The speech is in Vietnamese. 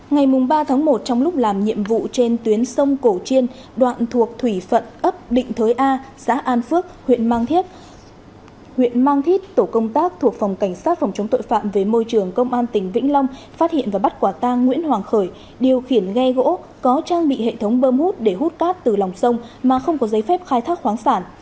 ngày ba một trong lúc làm nhiệm vụ trên tuyến sông cổ chiên đoạn thuộc thủy phận ấp định thới a xã an phước huyện mang thiết tổ công tác thuộc phòng cảnh sát phòng chống tội phạm về môi trường công an tỉnh vĩnh long phát hiện và bắt quả tang nguyễn hoàng khởi điều khiển ghe gỗ có trang bị hệ thống bơm hút để hút cát từ lòng sông mà không có giấy phép khai thác khoáng sản